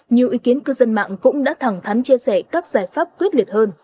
nhiều ý kiến cư dân mạng cũng đã thẳng thắn chia sẻ các giải pháp quyết liệt hơn